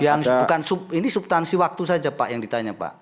yang bukan ini subtansi waktu saja pak yang ditanya pak